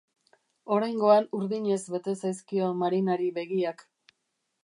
Oraingoan urdinez bete zaizkio Marinari begiak.